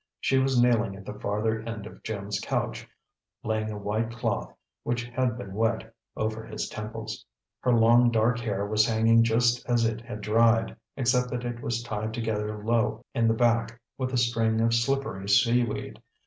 She was kneeling at the farther end of Jim's couch, laying a white cloth, which had been wet, over his temples. Her long dark hair was hanging just as it had dried, except that it was tied together low in the back with a string of slippery seaweed.